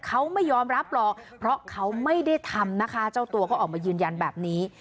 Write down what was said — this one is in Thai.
เขาไม่ยอมรับหรอกเพราะเขาไม่ได้ทำนะคะเจ้าตัวเขาออกมายืนยันแบบนี้